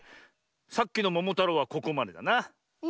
さっきの「ももたろう」はここまでだな。